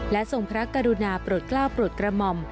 ทรงพระกรุณาโปรดกล้าวโปรดกระหม่อม